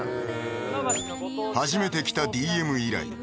初めて来たＤＭ依頼